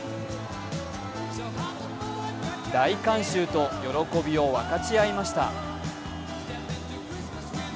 大観衆と喜びを分かち合いました。